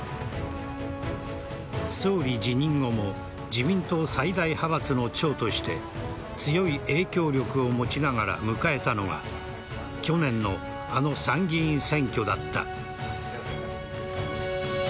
総理辞任後も自民党最大派閥の長として強い影響力を持ちながら迎えたのが去年のあの参議院選挙だった。